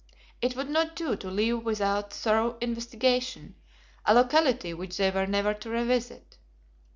It would not do to leave without thorough investigation, a locality which they were never to revisit.